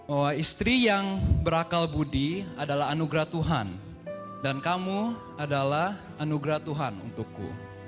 oh istri yang berakal budi adalah anugerah tuhan dan kamu adalah anugerah tuhan untukku